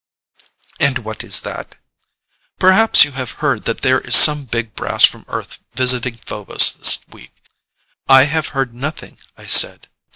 "And what is that?" "Perhaps you have heard that there is some big brass from Earth visiting Phobos this week." "I have heard nothing," I said.